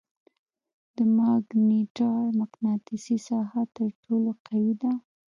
د ماګنیټار مقناطیسي ساحه تر ټولو قوي ده.